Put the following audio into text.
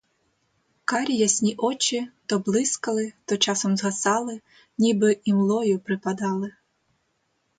Карі ясні очі то блискали, то часом згасали, ніби імлою припадали.